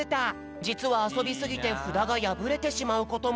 じつはあそびすぎてふだがやぶれてしまうことも。